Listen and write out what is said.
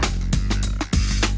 inovasi kedepannya apa